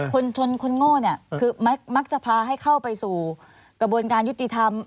คนชนคนโง่เนี่ยคือมักจะพาให้เข้าไปสู่กระบวนการยุติธรรม